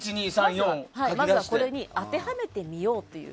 まずはこれに当てはめてみようという。